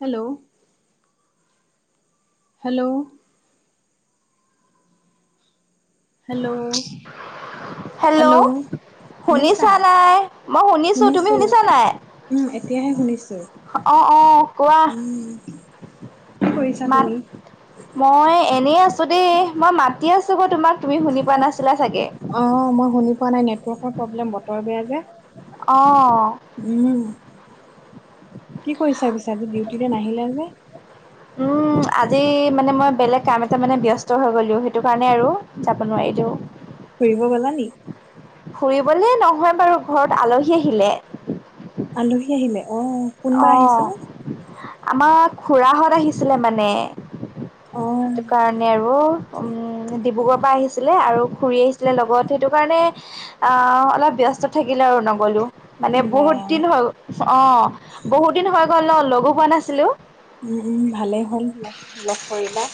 Hello. Hello hello hello শুনিছা নাই? মই শুনিছো, তুমি শুনিছা নাই? উম, এতিয়াহে শুনিছো। অ'অ' কোৱা। উম। কি কৰিছা মাত। তুমি মই এনেই আছো দেই। মই মাতি আছো ব তোমাক তুমি শুনি পোৱা নাছিলা চাগে। অঁ মই শুনি পোৱা নাই নেটৱৰ্কৰ প্ৰব্লেম বতৰ বেয়া যে। অঁ উম, কি কৰিছা পিছে আজি ডিউটিলে নাহিলা যে? উম [inaudible] আজি মানে মই বেলেগ কাম এটা মানে ব্যাস্ত হৈ গ'লো, সেইটো কাৰণে আৰু যাব নোৱাৰিলো। ফুৰিব গ'লা নি? ফুৰিবলে নহয় বাৰু ঘৰত আলহী আহিলে। আলহী আহিলে অ'। কোনোবা অ', আহিছিলে আমাৰ খুৰাহঁত আহিছিলে মানে। অ [unintelligible] টো কাৰণে আৰু। উম, ডিব্ৰুগড়ৰপৰা আহিছিলে আৰু খুৰি আহিছিলে লগত, সেইটো কাৰণে আ, অলপ ব্যস্ত থাকিলে আৰু নগলো। মানে বা বহুত দিন হৈ গ'ল অ' বহুত দিন হৈ গ'ল অ' লগো হোৱা নাছিলোঁ। উম, উম, ভালেই হ'ল, লগ কৰিবা।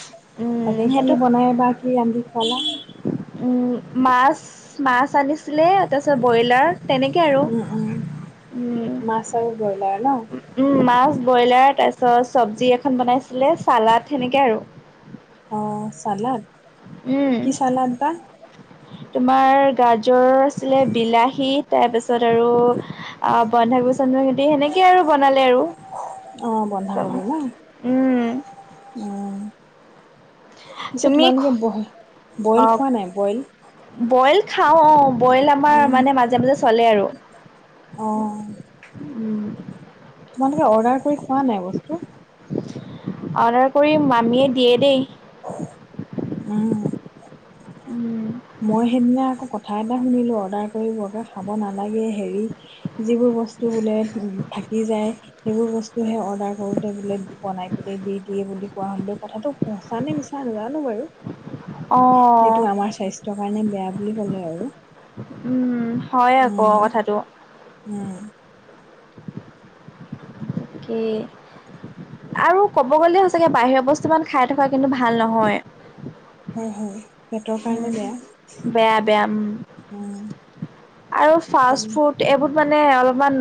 তাকে কি সেইটো বনাই বা [unintelligible] উম, মাছ, মাছ আনিছ ছিলে তাৰপিছত ব্ৰইলাৰ তেনেকে আৰু। উম উম উম মাছ আৰু ব্ৰইলাৰ ন'? উম, মাছ, ব্ৰইলাৰ তাৰপিছত চব্জি এখন বনাইছিলে, চালাদ সেনেকে আৰু। অ' ছালাড? উম। তোমাৰ গাজৰ আছিলে, বিলাহী তাৰপিছত আৰু আ, বন্ধা কবি চন্দা কবি দি সেনেকে আৰু বনালে আৰু। অ' বন্ধা কবি ন'? উম উম, পিছে তুমি তোমালোকে বহ বইল অ খোৱা নাই বইল? বইল খাওঁ অ' বইল আমাৰ উম মানে মাজে মাজে চলে আৰু। অ তোমালোকে অৰ্ডাৰ কৰি খোৱা নাই বস্তু? অৰ্ডাৰ কৰি মামীয়ে দিয়ে দেই। উম। উম। মই সেইদিনা আকৌ কথা এটা শুনিলোঁ, অৰ্ডাৰ কৰিবকে খাব নালাগে এ, হেৰি যিবোৰ বস্তু বোলে থাকি যায় সেইবোৰ বস্তুহে অৰ্ডাৰ কৰোঁতে বোলে বনাই পেলাই দি দিয়ে বুলি কোৱা হ'ল দেও, কথাটো সঁচানে মিছা নাজানো বাৰু। অঁ যিটো আমাৰ স্বাস্থ্যৰ কাৰণে বেয়া বুলি ক'লে আৰু। উম, হয় আকৌ উম কথাটো। উম। কি? আৰু ক'ব গ'লে সচাকে বাহিৰৰ বস্তু মান খাই থকা কিন্তু ভাল নহয়। হয় হয়। পেটৰ কাৰণে উম, বেয়া বেয়া বেয়া, উম, উম আৰু ফাষ্ট ফুড এইবোৰ মানে অলপমান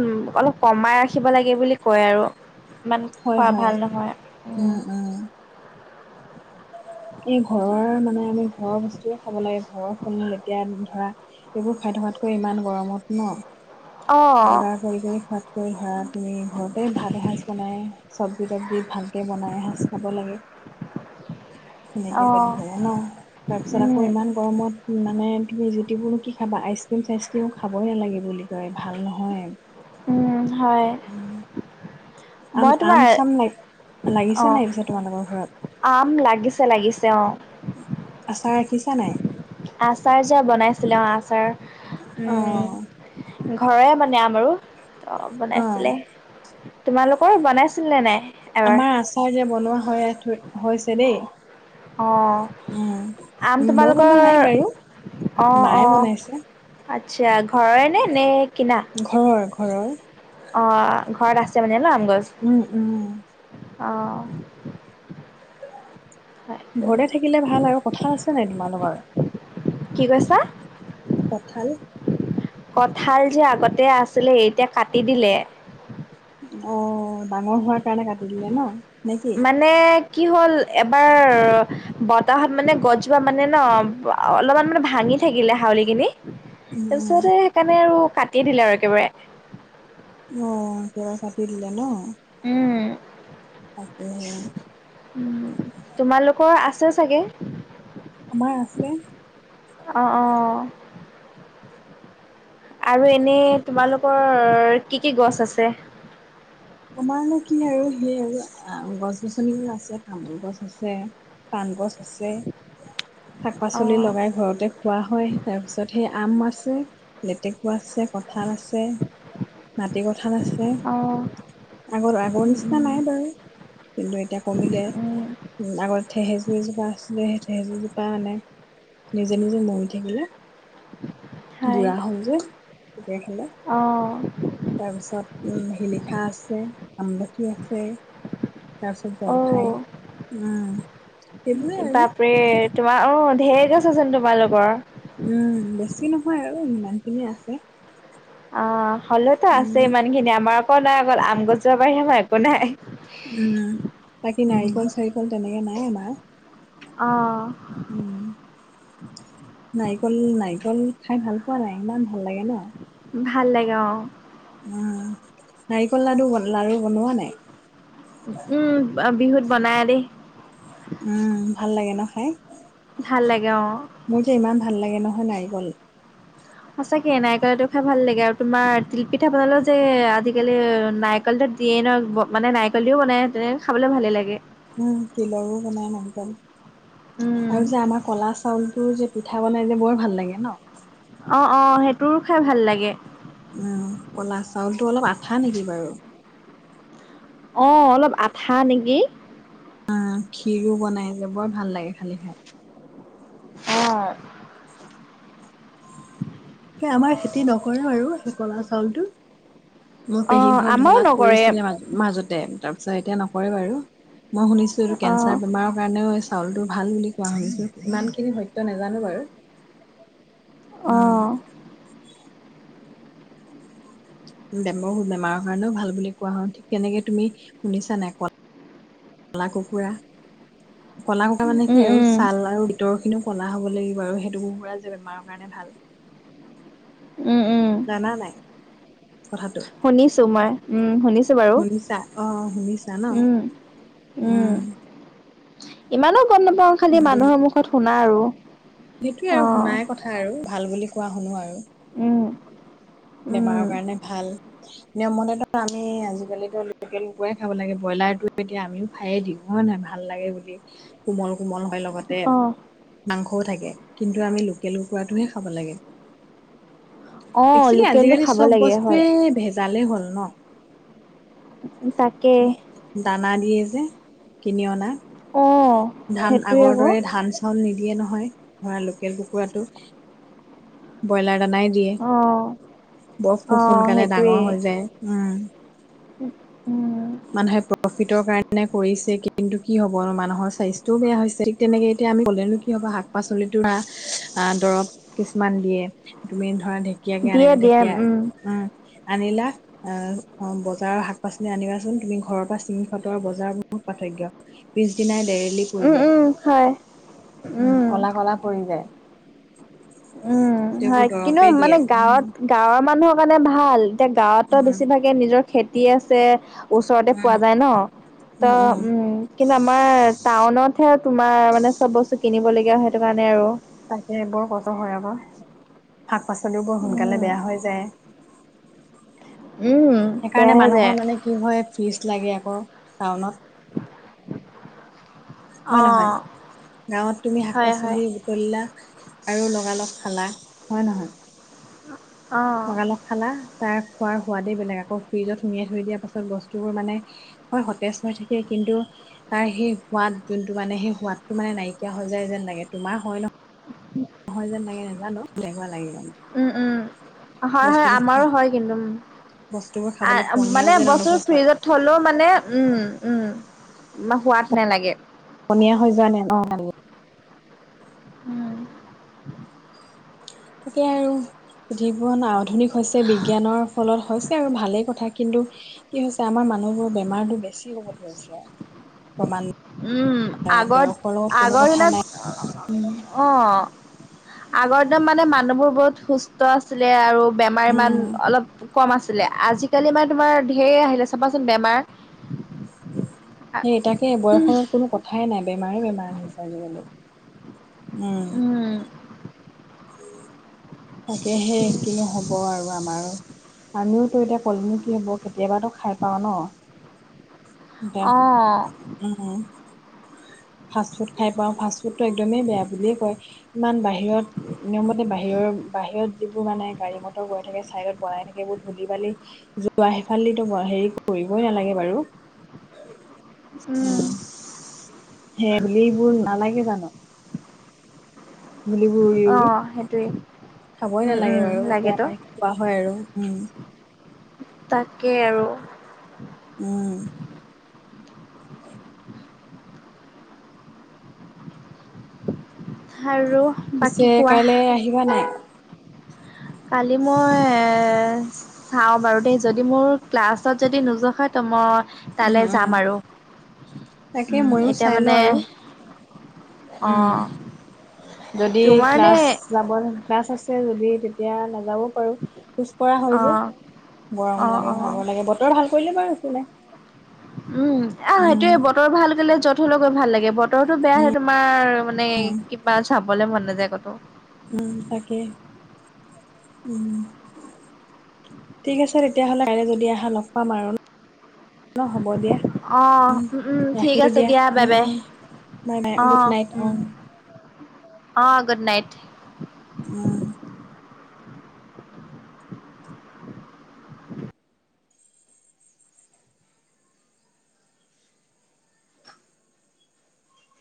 অলপ কমাই ৰাখিব লাগে বুলি কয় আৰু মান হয় হয়। উম, উম। এই ঘৰৰ মানে আমি ঘৰৰ বস্তুৱে খাব লাগে, ঘৰৰ ফুল মূল এতিয়া ধৰা এইবোৰ খাই থকাতকৈ ইমান গৰমত ন'? অ'। অৰ্ডাৰ কৰি কৰি খোৱাতকৈ ধৰা তুমি ঘৰতেই ভাত এসাঁজ বনাই চব্জি তবজিত ভালকৈ বনাই এসাঁজ খাব লাগে। সেনেকে পেট অ', ভৰে ন'? তাৰ পিছত উম, আকৌ ইমান গৰমত মানে তুমি জুতিবোৰনো কি খাবা, আইচক্ৰীম চাইচক্ৰীমো খাবই নালাগে বুলি কয় ভাল নহয়ে। উম, হয়। উ, আম মই আম তোমাৰ চাম লাগ লাগিছে অ', নাই পিছে তোমালোকৰ ঘৰত? আম লাগিছে লাগিছে অ'। আচাৰ ৰাখিছা নাই? আচাৰ জা বনাইছিলে, অ' আচাৰ, অ উম ঘৰৰে মানে আমাৰো অঁ বনাইছিলে অ' তোমালোকৰ বনাইছিলে নাই এবাৰ? আমাৰ আচাৰ যে বনোৱা হয় থ হৈছে দেই অ', উম আম মই তোমালোকৰ বনোৱা নাই বাৰু অ', মাই অ', বনাইছে আচ্ছা ঘৰৰে নে নে কিনা? ঘৰৰ ঘৰৰ অ ঘৰত আছে মানে ন আম গছ উম উম অ সেইটো ঘৰতে থাকিলে ভাল আৰু কঁঠাল আছে নাই তোমালোকৰ কি কৈছা কঁঠাল কঁঠাল যে আগতে আছিলে এতিয়া কাটি দিলে [unintelligible] অ ডাঙৰ হোৱাৰ কাৰণে কাটি দিলে ন নে কি? মানে কি হ'ল এবাৰ বতাহত মানে গছজোপা মানে ন অলপমান মানে ভাঙি থাকিলে হাউলিকিনি উম তাৰপিছত উম সে সেইকাৰণে আৰু কাটি দিলে আৰু একেবাৰে অ একেবাৰে কাটি দিলে ন উম তাকেহে। তোমালোকৰ আছে চাগে? আমাৰ আছে অ অ আৰু এনেই তোমালোকৰ কি কি গছ আছে? আমাৰ নো কি আৰু সেই আৰু গছ- গছনিবোৰ আছে, তামোল গছ আছে, পান গছ আছে, শাক-পাচলি অ', লগাই ঘৰতে খোৱা হয় তাৰপিছত সেই আম আছে, লেতেকু আছে, কঠান আছে, মাটি কঁঠাল আছে অ', আগৰ আগৰ উম, নিচিনা উম, নাই বাৰু কিন্তু এতিয়া কমিলে উম, আগত থেহেজু এজোপা আছিলে সেই থেহেজু জোপা আনে নিজে নিজে মৰি থাকিলে হয়, বুঢ়া হল যে পোকে খালে অ তাৰপিছত শিলিখা আছে, আমলখি আছে তাৰপিছত অ'। জলফাই, উম সেইবোৰে আৰু বাপৰে তোমাৰ অ ঢেৰগছ আছে চোন তোমালোকৰ উম বেছি নহয় আৰু সিমানখিনিয়ে আছে অ হ'লেওতো আছে উম ইমানখিনি আমাৰ আকৌ নাই আগল আম গছৰ বাহিৰে আমাৰ একো নাই উম বাকী নাৰিকল-চাৰিকল তেনেকে নাই আমাৰ অ উম নাৰিকল নাৰিকল খাই ভাল পোৱা নাই ইমান ভাল লাগে ন ভাল লাগে অ উম নাৰিকল লাডু লাৰু বনোৱা নাই উম বিহুত বনাই দেই উম ভাল লাগে ন খাই ভাল লাগে অ মোৰ যে ইমান ভাল লাগে নহয় নাৰিকল সচাকে নাৰিকলটো খাই ভাল লাগে আৰু তোমাৰ তিলপিঠা বনালে যে আজিকালি নাৰিকল চিয়েন মানে নাৰিকল দিও বনায় তেনেৈ খাবলৈ ভালেই লাগে উম তিলৰো বনাই মন গল উম আৰু যে আমাৰ ক'লা চাউল তোৰ যে পিঠা বনাই যে বৰ ভাল লাগে ন অ অ সেইটোৰো খাই ভাল লাগে ক'লা চাউলটো অলপ আঠা নেকি বাৰু অ অলপ আঠা নেকি অ খ্ষীৰো বনাই যে বৰ ভাল লাগে খালী খাই অ আমাৰ খেতি নকৰে বাৰ সেই কলা চাউলটো মোৰ অ পেহী হ আমাৰো ঢলাত নকৰে কৰিছিলে মাজত মাজতে তাৰপিছত এতিয়া নকৰে বাৰু মই শুনিছো এইটো অ কেঞ্চাৰ বেমাৰৰ কাৰণেও চাউলটো ভাল বুলি কোৱা শুনিছো ইমানখিনি সত্য নাজানো বাৰু অম [unintelligible] অ', বেমৰ বেমাৰৰ কাৰণেও ভাল বুলি কোৱা হয় ঠিক তেনেকে তুমি শুনিছা নাই কোৱা কলা কুকুৰা কলা কুকুৰা মানে উম, কি আৰু উম, ছাল আৰু ভিতৰ খিনিও ক'লা হ'ব লাগিব আৰু সেইটো কুৰুৰা যে বেমাৰৰ কাৰণে ভাল উম, উম, জানা নাই কথাটো শুনিছো মই উম শুনিছো শুনিছা অ শুনিছা ন উম ইমানো গম নাপাওঁ খালি মানুহৰ মুখত শুনা আৰু সেইটোৱে আৰু অ', শুনাই কথা আৰু ভাল বুলি কোৱা শুনো আৰু উম উম, বেমাৰৰ কাৰণে ভাল নিয়মতেতো আমি আজিকালিতো লোকেল কুকুৰাাই খাব লাগে ব্ৰইলাৰটো এতিয়া আমিও খায়ে দিওঁ হয় নহয় ভাল লাগে বুলি কোমল কোমল হয় লগ লগতে অ', মাংসও থাকে কিন্তু আমি লোকেল কুকুৰাটোহে খাব লাগে অ', একচেলি লোকেলটো আজিকালি খাব চব লাগে হয়, বস্তুৱেই ভেজালেই হ'ল ন তাক দানা দিয়ে যে কিনি অনা অ', ধান সেইটোৱে আগৰ আকৌ, দৰে ধান চাউল নিদিয়ে নহয় ধৰা লোকেল কুকুৰাটো ব্ৰইলাৰ দানাই দিয়ে অ', বৰ খুব অ', সোনকালে সেইটোৱে। ডাঙৰ হৈ যায় উম মানুহে প্ৰফিটৰ কাৰণে কৰিছে কিন্তু কি হ'ব মানুহৰ স্বাস্থ্যও বেয়া হৈছে তেনেকে এতিয়া আমি কলেনো কি হ'ব শাক পাচলিতো ধৰা দৰৱ কিমান দিয়ে তুমি ধৰা ঢেকীয়াকে দিয়ে আনিলা দিয়ে, ঢেকীয়া উম আনিলা আহ অ বজাৰৰ শাক পাচলি আনিবাচোন তুমি ঘৰৰ পৰা চিং ফটৰ বজাৰ মোৰ পাৰ্থক্য পিছ দিনাই দেৰেলি উম, পৰিলে উম, হয়, উ উম। কলা কলা পৰি যায় উম গোটেইবোৰ হয় কিন্তু দৰৱে দিয়ে মানে উম গাঁৱত গাঁৱৰ মানুহৰ কাৰণে ভাল এতিয়া গাঁৱতো উম উম বেছিভাগ নিজৰ খেতি আছে ওচৰতে পোৱা যায় ন ত উম কিন্তু আমাৰ টাউনতহে আৰু তোমাৰ মানে চব বস্তু কিনিব লগগীয়া সেইটো কাৰণে আৰু তাকে বৰ কষ্ট হয় আকৌ শাক পাচলিও বৰ সোনকালে উম বেয়া হৈ যায় উম সেইকাৰণে বেয়াহে যায় মানুহৰ মানে কি হয় ফিজ লাগে আকৌ টাউনত অ হয় নহয় গাঁৱত তুমি শাক হয় হয় পাচলি তুলিলা আৰু লগালগ খালা হয় নহয়? অ। লগালগ খালা তাৰ খোৱাৰ সোৱাদেই বেলেগ আকৌ ফ্ৰিজত সুমাই থৈ দিয়া পাছত বস্তুবোৰ মানে - হয় সতেজ হৈ থাকে কিন্তু - তাৰ সেই সোৱাদ যোনটো মানে সেই সোৱাদতটো মানে নাইকিয়া হৈ যাই যেন লাগে তোমাৰ হয় ন - নহয় যেন লাগে নাজানো তেনেকুৱা লাগে মোৰ। উম উম। হয় হয় আমাৰো হয় কিন্তু উম, বস্তুবোৰ আ খাবলৈ পনীয়া মানে যেন বস্তুটো অনুভৱ হয় ফ্ৰিজত - থলো মানে উম উম সোৱাদ নালাগে। পনিয়ী হৈ যোৱা তেনে লাগে। উম তাকে আৰু পৃথিৱীখন আধুনিক হৈছে বিজ্ঞানৰ ফলত হৈছে আৰু ভালেই কথা, কিন্তু - কি হৈছে আমাৰ মানুহবোৰৰ বেমাৰতো বেছি হ'ব ধৰিছে। বৰ্তমান উম নাই, আগৰ বয়সৰ লগত কোনো আগৰ কথা দিনত নাই, উম - অ আগৰ দিনত মানে মানুহবোৰ বহুত সুস্থ- ত আছিলে আৰু বেমাৰ ইমান উম অলপ - কম আছিলে আজিকালি মানে তোমাৰ ঢেৰ আহিলে চাবাচোন বেমাৰ - সেই তাকে বয়সৰ কোনো কথাই নাই বেমাৰে বেমাৰ আহিছে আজিকালি। উম। তাকে হে কিনো হ'ব আৰু আমাৰ। আমিও তো এতিয়া কলেনো কি হ'ব কেতিয়াবাতো খাই পাও ন। এতিয়া অ', উম উম ফাষ্টফুড খাই পাওঁ ফাষ্ট - ফুডটো একদমেই বেয়া বুলিয়েই কয়, ইমান বাহিৰত নিয়মতে বাহিৰৰ - বাহিৰত যিবোৰ মানে গাড়ী মটৰ গৈ থাকে ছাইডত বনাই থাকে এইবোৰ ধূলি বালি - যোৱা সেই ফালেদিটো হেৰি কৰিবই নালাগে বাৰু। উম, উম, সেই ধুলিবোৰ নালাগে জানো? ধূলিবোৰ উৰি অ উৰি সেইটোৱে। খাবই উম, নালাগে উম, বাৰু এতিয়া লাগেতো আমাৰ খোৱা হয় আৰু, উম। তাকে আৰু। উম। আৰু পিছে বাকী কোৱা। কাইলৈ আহিবা নাই? কালি মই চাওঁ বাৰু দেই যদি মোৰ ক্লাছত যদি নোযোৱা হয় - ত' মই উম তালে উম যাম আৰু। তাকে উম, ময়ো এতিয়া চাই মানে লওঁ আৰু। উম, অ', যদি তোমাৰ নে ক্লাছ - যাব, ক্লাছ আছে যদি তেতিয়া নাযাব - পাৰো, পিছ পৰা হয় যে, অ', গৰম অ', লাগে অ'। ভাগৰ লাগে বতৰ ভাল কৰিলে বাৰু একো নাই। উম আহ উম, সেইটোয়ে বতৰ ভাল কৰিলে যত হলো গৈ ভাল লাগে বতৰটো বেয়া হয় উম, তোমাৰ - মানে কিবা যাবলে মন নাযায় কতো। উম তাকে, উম। ঠিক আছে তেতিয়াহ'লে কাইলে যদি আহা লগ পাম আৰু ন। অ হ'ব দিয়া, অ উম ঠিক ৰাখিছো আছে দিয়া, বাই উম বাই উম। বাই বাই অ গুড নাইট, উম অঁ। অ গুড নাইট। উম।